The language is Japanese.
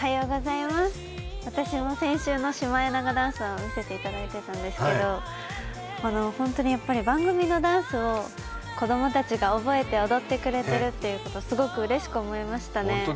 私も先週のシマエナガダンスを見せていただいていたんですけど、本当に番組のダンスを子供たちが覚えて踊ってくれてること、すごくうれしく思いましたね。